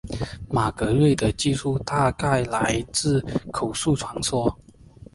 马格瑞的记述大概来自口述传说。